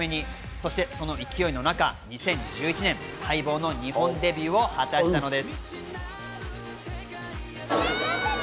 そしてその勢いの中、２０１１年、待望の日本デビューを果たしたのです。